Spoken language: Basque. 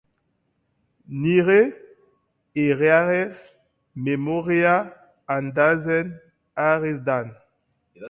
Nire herriaren memoria aldatzen ari da.